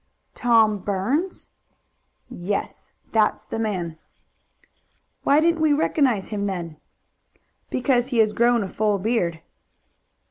"Tom Burns?" "Yes. That's the man." "Why didn't we recognize him then?" "Because he has grown a full beard."